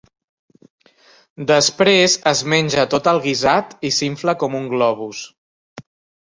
Després es menja tot el guisat i s'infla com un globus.